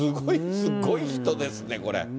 すごい人ですね、これ。